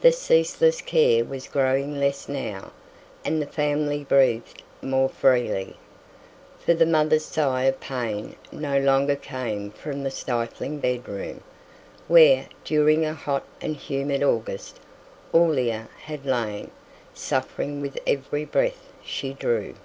The ceaseless care was growing less now, and the family breathed more freely, for the mother's sigh of pain no longer came from the stifling bedroom, where, during a hot and humid August, Aurelia had lain, suffering with every breath she drew.